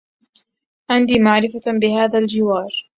عندي معرفة بهذا الجوار.